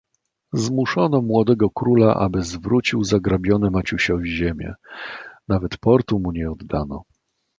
"Zmuszono młodego króla, aby zwrócił zagrabione Maciusiowi ziemie; nawet portu mu nie oddano."